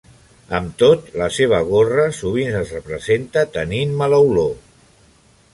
Amb tot, la seva gorra sovint es representa tenint mala olor.